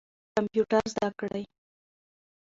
کمپیوټر زده کړئ.